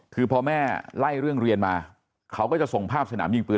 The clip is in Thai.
คือพอแม่ไล่เรื่องเรียนมาเขาก็จะส่งภาพสนามยิงปืน